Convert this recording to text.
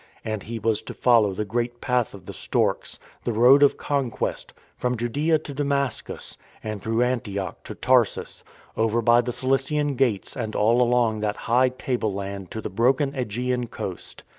And he was to follow the great Path of the Storks, the Road of Conquest, from Judaea to Damascus, and through Antioch to Tarsus, over by the Cilician Gates and all along that high tableland to the broken ^gean coast.